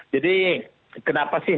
jadi kenapa sih